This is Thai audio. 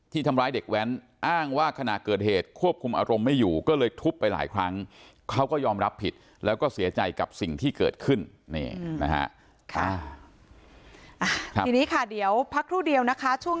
ที่เกิดขึ้นนี่นะฮะทีนี้ค่ะเดี๋ยวพักครู่เดียวนะคะช่วง